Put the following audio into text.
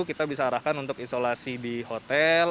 kita bisa arahkan untuk isolasi di hotel